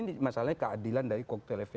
ini masalahnya keadilan dari koktelefe